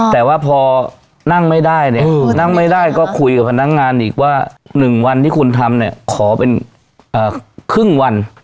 แต่ว่าพอนั่งไม่ได้เนี่ยนั่งไม่ได้ก็คุยกับพนักงานอีกว่า๑วันที่คุณทำเนี่ยขอเป็นครึ่งวัน